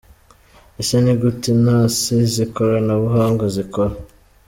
Ese ni gute intasi z’ikoranabuhanga zikora?.